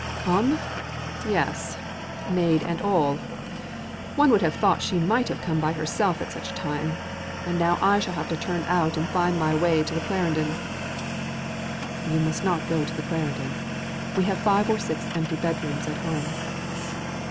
"Come? Yes! maid and all. One would have thought she might have come by herself at such a time! And now I shall have to turn out and find my way to the Clarendon." "You must not go to the Clarendon. We have five or six empty bed rooms at home."